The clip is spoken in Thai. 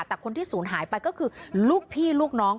แต่คนที่ศูนย์หายไปก็คือลูกพี่ลูกน้อง